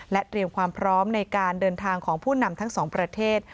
เตรียมความพร้อมในการเดินทางของผู้นำทั้งสองประเทศ